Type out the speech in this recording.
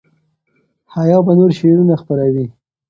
حیا به نور شعرونه خپروي.